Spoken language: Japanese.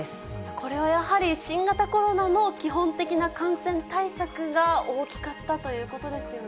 これはやはり、新型コロナの基本的な感染対策が大きかったということですよね。